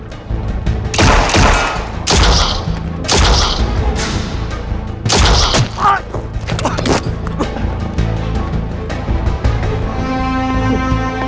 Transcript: จุด